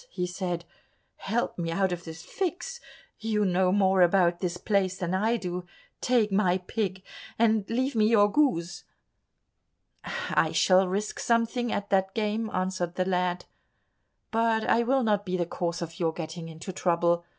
he said, "help me out of this fix; you know more about this place than I do, take my pig and leave me your goose." "I shall risk something at that game," answered the lad, "but I will not be the cause of your getting into trouble."